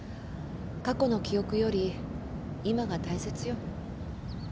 過去の記憶より今が大切よ。